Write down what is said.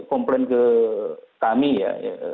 komplain ke kami ya